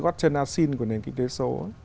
gót chân asin của nền kinh tế số